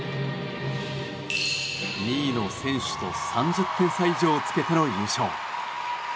２位の選手と３０点差以上つけての優勝。